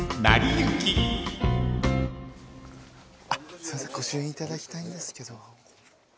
すいません御朱印頂きたいんですけど。